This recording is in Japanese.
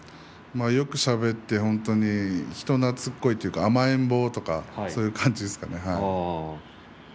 よくしゃべって人なつっこいというか甘えん坊とかそういう感じですかね。